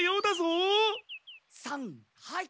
さんはい！